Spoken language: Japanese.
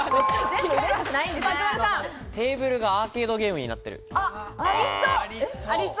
テーブルがアーケードゲームになっている。